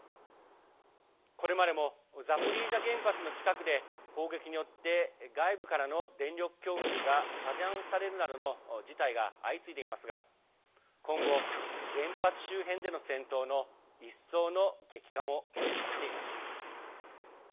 これまでもザポリージャ原発の近くで砲撃によって外部からの電力供給が遮断されるなどの事態が相次いでいますが今後、原発周辺での戦闘の一層の激化も懸念されています。